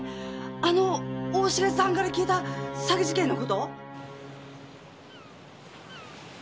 あの大重さんから聞いた詐欺事件の事？